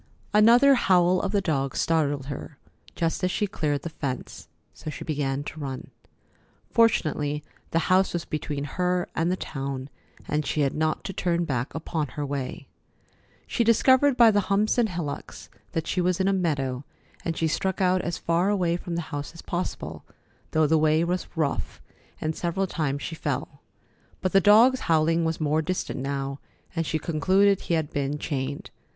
Another howl of the dog startled her just as she cleared the fence, so she began to run. Fortunately, the house was between her and the town, and she had not to turn back upon her way. She discovered by the humps and hillocks that she was in a meadow, and she struck out as far away from the house as possible, though the way was rough, and several times she fell. But the dog's howling was more distant now, and she concluded he had been chained.